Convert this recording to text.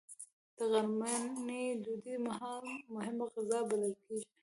د غرمنۍ ډوډۍ مهمه غذا بلل کېږي